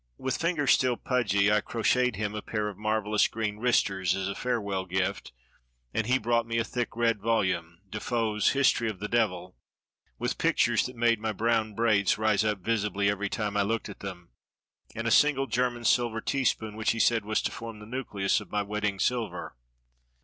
With fingers still pudgy I crocheted him a pair of marvelous green 'wristers' as a farewell gift, and he brought me a thick red volume, De Foe's History of the Devil, with pictures that made my brown braids rise up visibly every time I looked at them, and a single German silver teaspoon, which he said was to form the nucleus of my wedding silver.